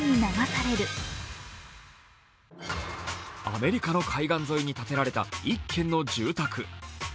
アメリカの海岸沿いに建てられた１軒の住宅。